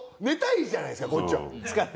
寝たいじゃないですかこっちは。